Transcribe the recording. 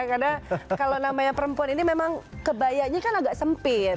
karena kalau namanya perempuan ini memang kebayaknya kan agak sempit